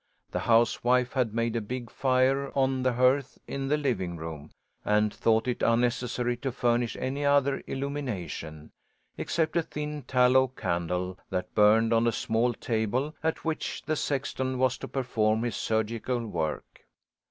The housewife had made a big fire on the hearth in the living room and thought it unnecessary to furnish any other illumination, except a thin tallow candle that burned on a small table, at which the sexton was to perform his surgical work.